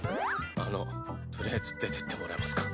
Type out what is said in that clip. あのとりあえず出てってもらえますか？